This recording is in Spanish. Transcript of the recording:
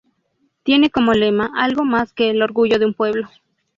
Tiene como lema: "Algo más que el orgullo de un pueblo".